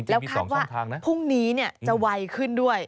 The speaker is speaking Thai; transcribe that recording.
แล้วคาดว่าพรุ่งนี้จะไวขึ้นด้วย